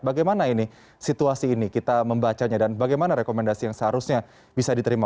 bagaimana ini situasi ini kita membacanya dan bagaimana rekomendasi yang seharusnya bisa diterima